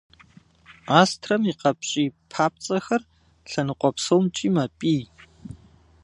Астрэм и къапщӏий папцӏэхэр лъэныкъуэ псомкӏи мэпӏий.